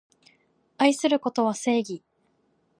愛することは正義